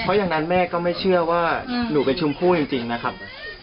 เพราะอย่างนั้นแม่ก็ไม่เชื่อว่าหนูเป็นชมพู่จริงนะครับ